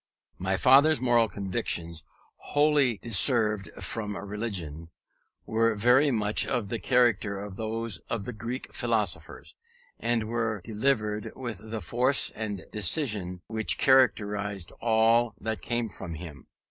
My father's moral convictions, wholly dissevered from religion, were very much of the character of those of the Greek philosophers; and were delivered with the force and decision which characterized all that came from him.